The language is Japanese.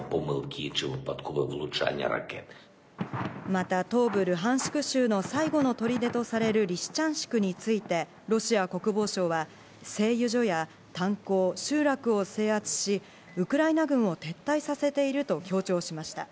また、東部ルハンシク州の最後の砦とされるリシチャンシクについて、ロシア国防省は、製油所や炭鉱、集落を制圧し、ウクライナ軍を撤退させていると強調しました。